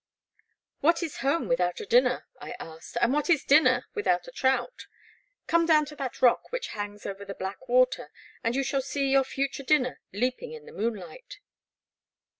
'* What is home without a dinner ?" I asked, "and what is dinner without a trout? Come down to that rock which hangs over the Black Water, and you shall see your future dinner leap ing in the moonlight."